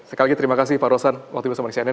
sekali lagi terima kasih pak rosan waktu bersama di cnn